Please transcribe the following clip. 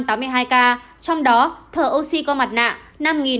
trong đó thở oxy có mặt nạ